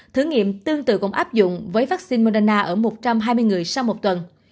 thử nghiệm tương tự cũng áp dụng với vaccine moderna ở một trăm hai mươi người sau một tuần